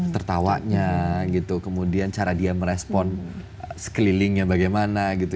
tertawanya gitu kemudian cara dia merespon sekelilingnya bagaimana gitu